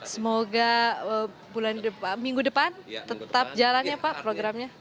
semoga minggu depan tetap jalannya pak programnya